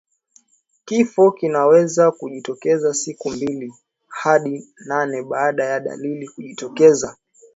Kifo kinaweza kujitokeza siku mbili hadi nane baada ya dalili kujitokeza